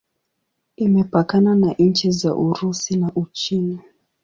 Imepakana na nchi za Urusi na Uchina.